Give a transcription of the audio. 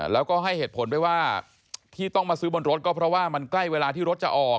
แล้วก็ให้เหตุผลไปว่าที่ต้องมาซื้อบนรถก็เพราะว่ามันใกล้เวลาที่รถจะออก